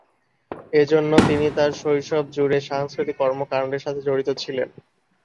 এজন্য় তিনি তার শৈশব জুড়ে সাংস্কৃতিক কর্মকাণ্ডের সাথে জড়িত ছিলেন।